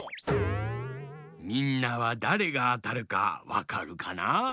みんなはだれがあたるかわかるかな？